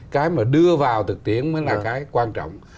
cái mà đưa vào thực tiễn mới là cái quan trọng